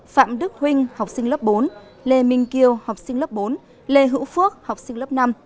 phạm đức huynh học sinh lớp bốn lê minh kiều học sinh lớp bốn lê hữu phước học sinh lớp năm